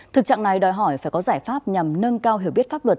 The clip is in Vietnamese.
thực trạng này đòi hỏi phải có giải pháp nhằm nâng cao hiểu biết pháp luật